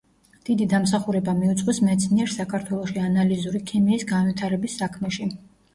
დიდი დამსახურება მიუძღვის მეცნიერს საქართველოში ანალიზური ქიმიის განვითარების საქმეში.